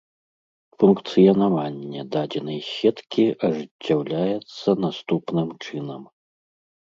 Функцыянаванне дадзенай сеткі ажыццяўляецца наступным чынам.